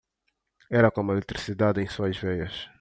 Era como eletricidade em suas veias.